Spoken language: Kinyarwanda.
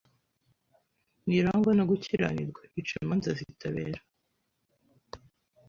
‘ntirangwa no gukiranirwa; ica imanza zitabera